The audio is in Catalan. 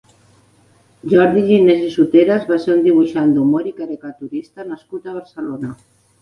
Jordi Ginés i Soteras va ser un dibuixant d'humor i caricaturista nascut a Barcelona.